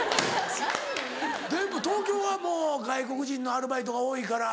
でも東京はもう外国人のアルバイトが多いから。